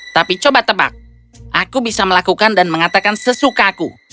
tapi coba tebak aku bisa melakukan dan mengatakan sesukaku